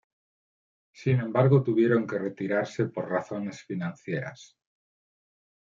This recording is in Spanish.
Sin embargo tuvieron que retirarse por razones financieras.